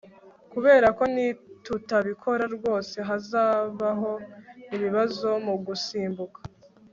kuberako nitutabikora rwose hazabaho ibibazo mugusimbuka